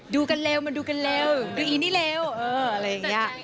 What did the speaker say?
ดูกันเร็วมันดูกันเร็วดูอีนี่เร็วอะไรอย่างนี้